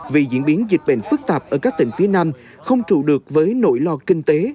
vì diễn biến dịch bệnh phức tạp ở các tỉnh phía nam không trụ được với nỗi lo kinh tế